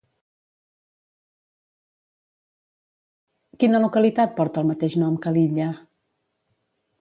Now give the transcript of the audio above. Quina localitat porta el mateix nom que l'illa?